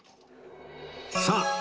さあ